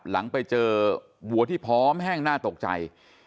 หลังไปเจอวัวที่พร้อมแห้งน่าตกใจ